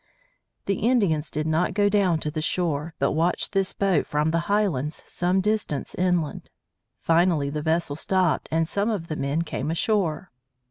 The Indians did not go down to the shore, but watched this boat from the highlands some distance inland. Finally the vessel stopped and some of the men came ashore.